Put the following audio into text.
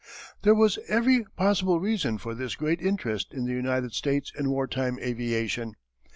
There was every possible reason for this great interest in the United States in wartime aviation.